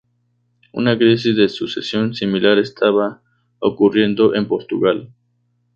Una crisis de sucesión similar estaba ocurriendo en Portugal.